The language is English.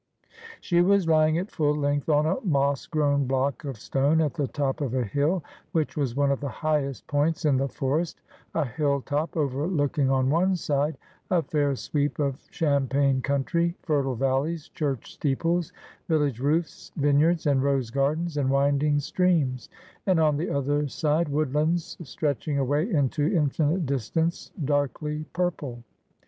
She was lying at full length on a moss grown block of stone at the top of a hill, which was one of the highest points in the forest, a hill top overlooking on one side a fair sweep of cham pagne country, fertile valleys, church steeples, village roofs, vineyards and rose gardens, and winding streams ; and on the other side, woodlands stretching away into infinite distance, darkly purple.